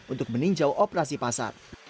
untuk meninjau operasi pasar